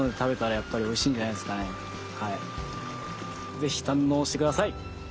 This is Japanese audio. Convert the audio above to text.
ぜひ堪能して下さい！